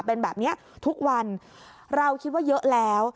เป็นแบบนี้ทุกวันเราคิดว่าเยอะแล้ว